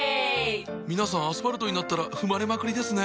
皆さんアスファルトになったら踏まれまくりですねぇ。